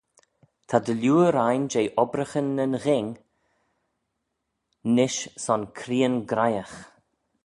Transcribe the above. Ta dy liooar ain jeh obbraghyn nyn ghing, nish son creeyn graihagh.